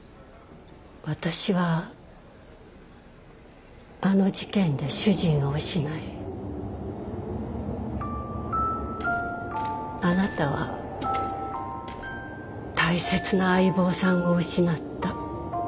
私はあの事件で主人を失いあなたは大切な相棒さんを失った。